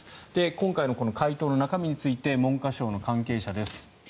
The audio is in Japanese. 今回の回答の中身について文科省の関係者です。